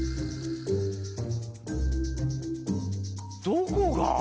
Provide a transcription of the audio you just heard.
どこが？